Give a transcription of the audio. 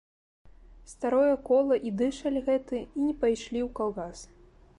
Старое кола і дышаль гэты і не пайшлі ў калгас.